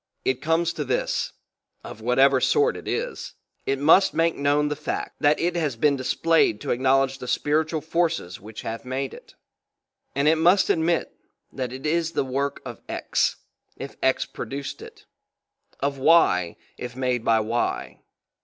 It comes to this: of whatever sort it is, it must make known the fact that it has been displayed to acknowledge the spiritual forces which have made it; and it must admit that it is the work of X, if X produced it; of Y, if made by Y.